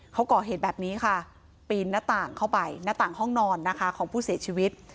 เขาก่อเหตุแบบนี้ค่ะปีนหน้าต่างเข้าไปหน้าต่างห้องนอนนะคะของผู้เสียชีวิต